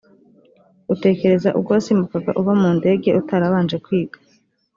utekereze ubwo wasimbuka uva mu ndege utarabanje kwiga